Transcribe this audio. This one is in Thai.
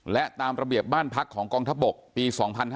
และตามระเบียบบ้านพักของกองทัพบกปี๒๕๕๙